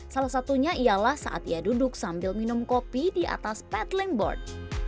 salah satunya ialah saat ia duduk sambil minum kopi di atas padling board